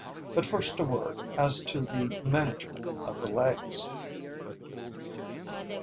But first a word as to the management of the legs.